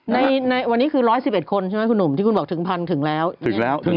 รวมหมอจะสิทธิ์คนแล้วอ่ะ